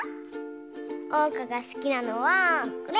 おうかがすきなのはこれ。